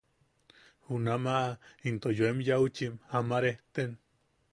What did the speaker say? Junamaʼa into yoem yaaʼuchim ama rejten.